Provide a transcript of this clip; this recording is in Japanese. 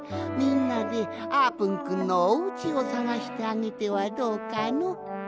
みんなであーぷんくんのおうちをさがしてあげてはどうかの？